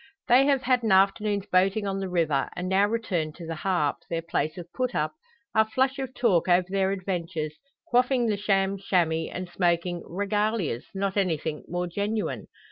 They have had an afternoon's boating on the river; and, now returned to the "Harp" their place of put up are flush of talk over their adventures, quaffing the sham "shammy," and smoking "regalias," not anything more genuine.